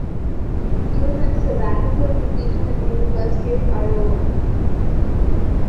He was on sabbatical from teaching at the University of Iowa.